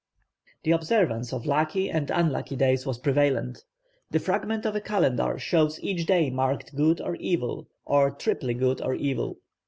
The observance of lucky and unlucky days was prevalent. The fragment of a calendar shows each day marked good or evil, or triply good or evil.